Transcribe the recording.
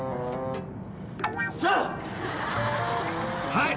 ［はい。